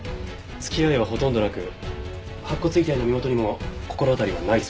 付き合いはほとんどなく白骨遺体の身元にも心当たりはないそうです。